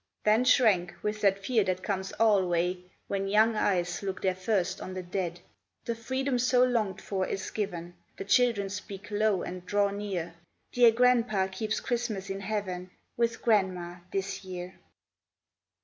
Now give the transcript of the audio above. Then shrank, with that fear that comes alway When young eyes look their first on the dead. The freedom so longed for is given. The children speak low and draw near: "Dear grandpa keeps Christmas in Heaven With grandma, this year."